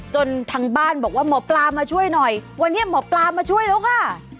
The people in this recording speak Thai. จนทางบ้านบอกว่าหมอปลามาช่วยหน่อยวันนี้หมอปลามาช่วยแล้วค่ะ